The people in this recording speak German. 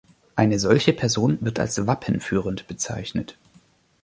Eine solche Person wird als wappenführend bezeichnet.